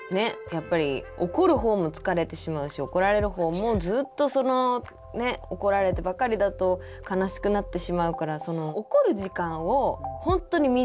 やっぱり怒る方も疲れてしまうし怒られる方もずっとそのね怒られてばかりだと悲しくなってしまうから怒る時間をほんとに短く。